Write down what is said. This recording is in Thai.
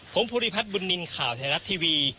ผมภูริพัฒน์บุญนินทร์ข่าวไทยรัฐทีวี